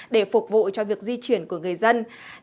để phục vụ cho việc di chuyển của các đơn vị